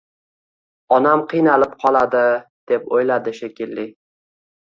Onam qiynalib qoladi, deb o`yladi, shekilli